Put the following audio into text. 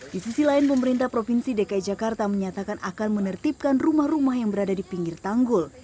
di sisi lain pemerintah provinsi dki jakarta menyatakan akan menertibkan rumah rumah yang berada di pinggir tanggul